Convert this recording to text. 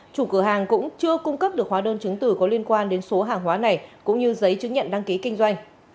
chủ cửa hàng cũng chưa cung cấp được hóa đơn chứng từ có liên quan đến số hàng hóa này cũng như giấy chứng nhận đăng ký kinh doanh